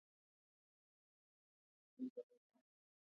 افغانستان کې سیلانی ځایونه د هنر په اثار کې منعکس کېږي.